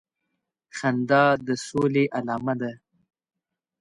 خندا د سولي علامه ده